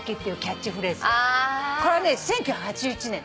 これはね１９８１年。